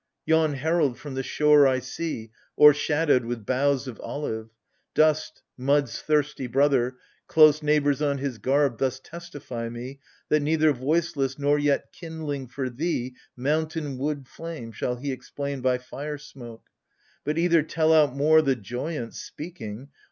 Yon herald from the shore I see, o'ershadowed With boughs of olive : dust, mud's thirsty brother, Close neighbours on his garb, thus testify me That neither voiceless, nor yet kindling for thee Mountain wood flame, shall he explain by fire smoke : But either tell out more the joyance, speaking.